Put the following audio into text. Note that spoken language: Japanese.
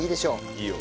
いいよ。